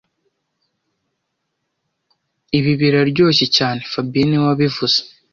Ibi biraryoshye cyane fabien niwe wabivuze